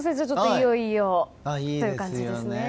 いよいよという感じですね。